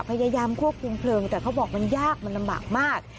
พยายามควบคุมเพลิงแต่เขาบอกมันยากมันลำบากมาก